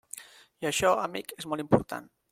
I això, amic, és molt important.